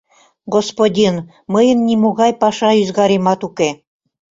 — Господин, мыйын нимогай паша ӱзгаремат уке.